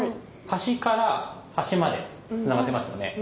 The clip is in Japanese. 端から端までつながってますよね。